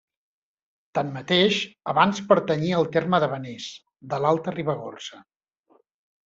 Tanmateix, abans pertanyia al terme de Benés, de l'Alta Ribagorça.